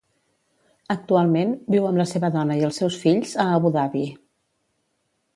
Actualment viu amb la seva dona i els seus fills a Abu Dhabi.